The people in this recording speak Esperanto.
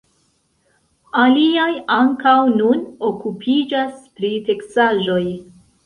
Aliaj ankaŭ nun okupiĝas pri teksaĵoj.